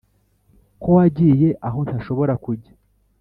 ko wagiye aho ntashobora kujya.